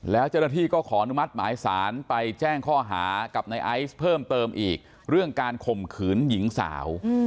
แล้วเจ้าหน้าที่ก็ขออนุมัติหมายสารไปแจ้งข้อหากับในไอซ์เพิ่มเติมอีกเรื่องการข่มขืนหญิงสาว